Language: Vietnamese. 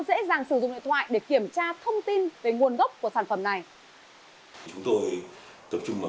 dễ dàng sử dụng điện thoại để kiểm tra thông tin về nguồn gốc của sản phẩm này chúng tôi tập trung vào